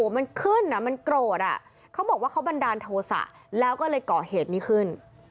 มันขึ้นมันโกรธอ่ะเขาบอกว่าเขาบันดาลโทษะแล้วก็เลยก่อเหตุนี้ขึ้น